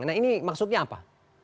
nah ini maksudnya apa